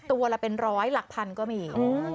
ตัวละเป็นร้อยหลักพันก็มี